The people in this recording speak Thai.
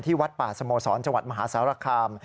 ที่วัดป่าสโมสรจมหาศาลคาม